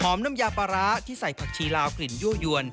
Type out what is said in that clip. น้ำยาปลาร้าที่ใส่ผักชีลาวกลิ่นยั่วยวน